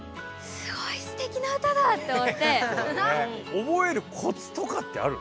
おぼえるコツとかってあるの？